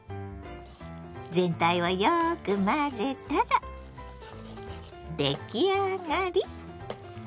全体をよく混ぜたら出来上がり！